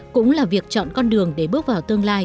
cũng là việc chọn con đường để bước vào tương lai